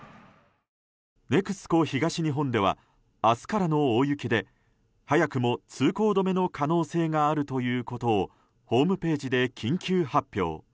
ＮＥＸＣＯ東日本では明日からの大雪で早くも通行止めの可能性があるということをホームページで緊急発表。